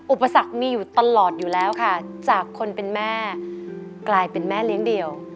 อุปสรรคมีอยู่ตลอดอยู่แล้วค่ะจากคนเป็นแม่กลายเป็นแม่เลี้ยงเดี่ยว